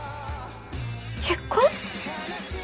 結婚？